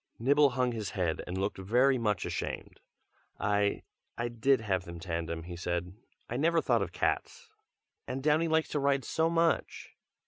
Nibble hung his head and looked very much ashamed. "I I did have them tandem," he said. "I never thought of cats, and Downy likes to ride so much!"